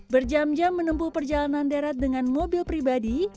berjam jam menempuh perjalanan darat dengan mobil pribadi